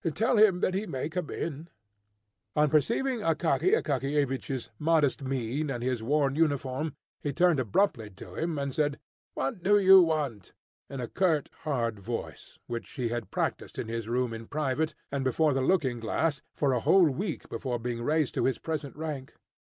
Tell him that he may come in." On perceiving Akaky Akakiyevich's modest mien and his worn uniform, he turned abruptly to him, and said, "What do you want?" in a curt hard voice, which he had practised in his room in private, and before the looking glass, for a whole week before being raised to his present rank.